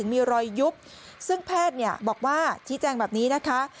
มีรอยยุบซึ่งแพทย์บอกว่าชี้แจงแบบนี้นะคะ